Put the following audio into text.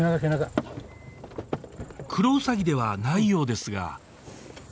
クロウサギではないようですが